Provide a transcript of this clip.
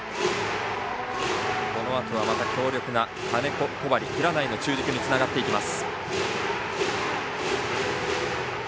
このあとは強力な金子、小針、平内の中軸につながっていきます。